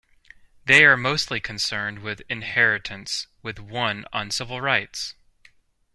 They are mostly concerned with inheritance, with one on civil rights.